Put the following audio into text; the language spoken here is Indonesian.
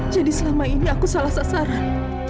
jadi selama ini aku salah sasaran